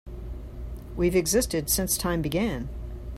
We've existed since time began.